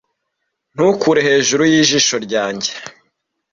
ntukure hejuru yijisho ryanjye